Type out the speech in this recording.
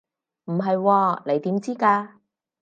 唔係喎，你點知㗎？